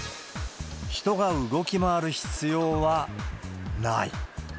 人が動き回る必要はない。